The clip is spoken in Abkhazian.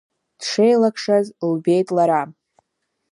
Дшеилакшаз лбеит лара.